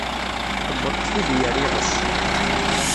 Tewweḍ tfidi ar iɣes.